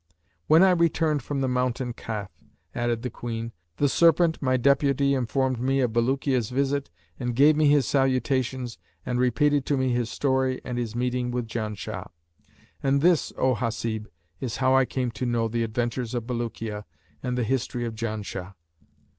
[FN#568] When I returned from the mountain Kaf (added the Queen) the serpent, my deputy, informed me of Bulukiya's visit and gave me his salutations and repeated to me his story and his meeting with Janshah. And this, O Hasib, is how I came to know the adventures of Bulukiya and the history of Janshah."